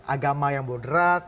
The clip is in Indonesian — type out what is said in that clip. agama yang bodrat